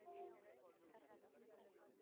Zergatik ez erakutsi eskolan oinarrizko jakintza?